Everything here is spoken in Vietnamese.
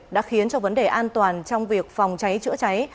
đã khiến cho vấn đề an toàn trong việc phòng cháy chữa cháy